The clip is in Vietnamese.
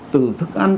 từ thức ăn